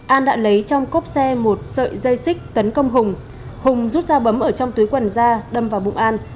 an đã lấy trong cốp xe một sợi dây xích tấn công hùng hùng rút ra bấm ở trong túi quần da đâm vào bụng an